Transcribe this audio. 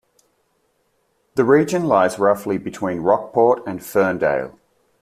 The region lies roughly between Rockport and Ferndale.